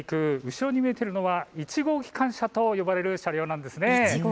後ろに見えているのは１号機関車と呼ばれる車両なんです。